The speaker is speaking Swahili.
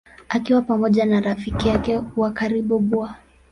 Akiwa pamoja na rafiki yake wa karibu Bw.